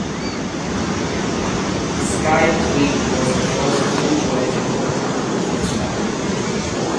Sky Three was the first free-to-air general entertainment channel from Sky.